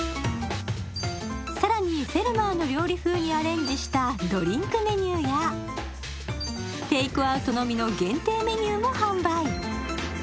更に「フェルマーの料理」風にアレンジしたドリンクやテイクアウトのみの限定メニューも販売。